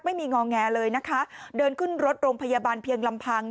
งอแงเลยนะคะเดินขึ้นรถโรงพยาบาลเพียงลำพัง